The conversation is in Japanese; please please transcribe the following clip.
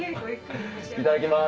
いただきます。